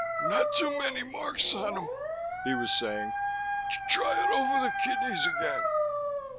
"Not too many marks on him," he was saying. "Try it over the kidneys again...."